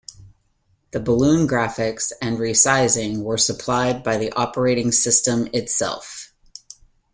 The balloon graphics and resizing were supplied by the operating system itself.